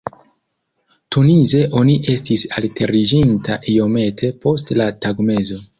Tunize oni estis alteriĝinta iomete post la tagmezo.